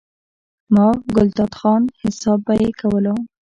ملا ګلداد خان، حساب به ئې کولو،